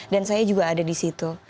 dan saya juga ada di situ